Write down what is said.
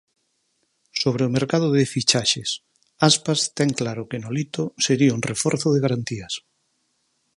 Sobre o mercado de fichaxes: Aspas ten claro que Nolito sería un reforzo de garantías.